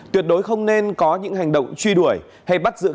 tuyệt đối không nên có những hành động truy đuổi hay bắt giữ các đối tượng